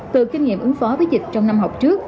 từ kinh nghiệm ứng phó với dịch trong năm học trước